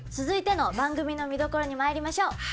続いての番組の見どころにまいりましょう。